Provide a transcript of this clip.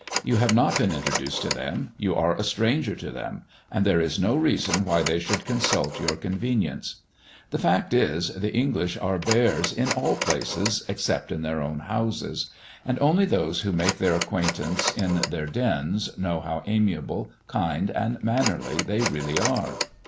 You have not been introduced to them; you are a stranger to them, and there is no reason why they should consult your convenience. The fact is, the English are bears in all places, except in their own houses; and only those who make their acquaintance in their dens, know how amiable, kind, and mannerly they really are.